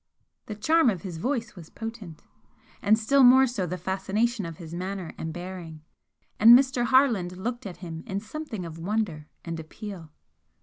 The charm of his voice was potent and still more so the fascination of his manner and bearing, and Mr. Harland looked at him in something of wonder and appeal.